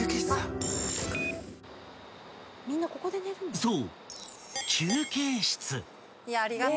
［そう］